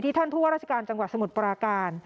ท่านผู้ว่าราชการจังหวัดสมุทรปราการ